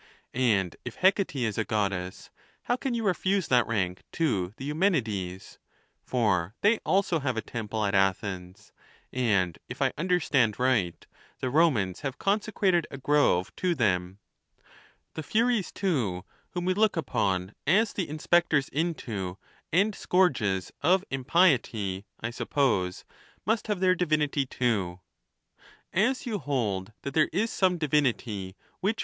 And if Hec ate is a Goddess, how can you refuse that rank to the Eumenides? for tlicy also have a temple at Athens, and, if I understand riglit, the Romans have consecrated a grove to them. The Furies, too, whom we look upon as the in spectors into and scourges of impiety, I suppose, must have their divinity too. As you hold that there is some divinity THE NATURE OF THE GODS.